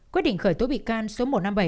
quyết định khởi tố bị can số một trăm năm mươi bảy